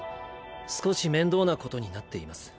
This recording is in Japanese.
少し面倒なことになっています。